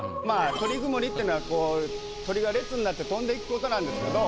「鳥曇」っていうのは鳥が列になって飛んでいくことなんですけど。